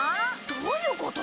どういうこと？